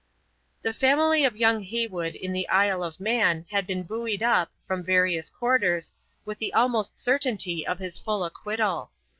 The family of young Heywood in the Isle of Man had been buoyed up, from various quarters, with the almost certainty of his full acquittal.